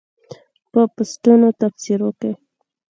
په پوسټونو تبصرو کې